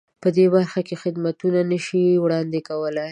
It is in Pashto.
په دې برخه کې خدمتونه نه شي وړاندې کولای.